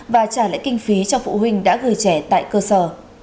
và trả lại kinh phí cho phụ huynh đã gửi trẻ tại cơ sở